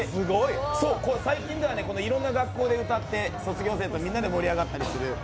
最近ではいろんな学校で歌って卒業生と一緒に盛り上がったりする。